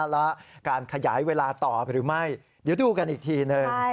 และการขยายเวลาต่อหรือไม่เดี๋ยวดูกันอีกทีหนึ่ง